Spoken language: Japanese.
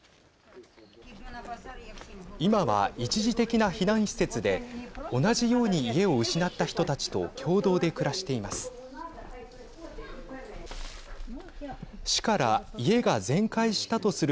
今は、一時的な避難施設で同じように家を失った人たちと共同で暮らしています。